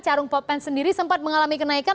charon pogpeng sendiri sempat mengalami kenaikan